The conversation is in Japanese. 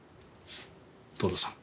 藤堂さん。